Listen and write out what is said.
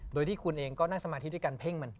โดยที่คุณเองก็นั่งสมาธิด้วยการเพ่งมัน